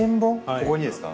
ここにですか？